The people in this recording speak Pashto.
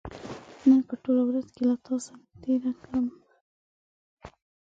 نن به ټوله ورځ له تاسو سره تېره کړم